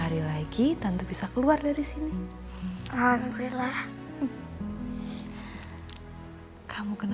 terima kasih atas semua yang kalian simpan di air kamu semuanya